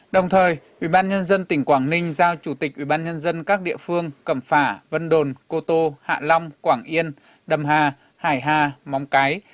đồng thời ubnd tỉnh quảng ninh giao chủ tịch ubnd các địa phương cẩm phả vân đồn cô tô hạ long quảng yên đầm hà hải hà móng cái